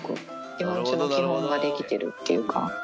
基本中の基本ができてるっていうか。